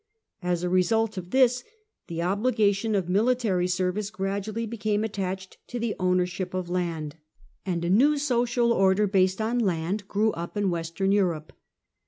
As a result of this, the obligation of military service gradually became attached to the ownership of land ; and a new social order based on land grew up in Western Europe.